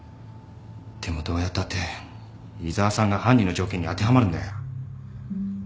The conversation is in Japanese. でもどうやったって井沢さんが犯人の条件に当てはまるんだよ。